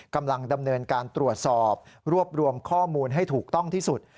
กำลังดำเนินการตรวจสอบรวบรวมข้อมูลให้ถูกต้องที่สุด